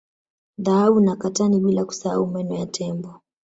Dhahabu na katani bila kusahau meno ya Tembo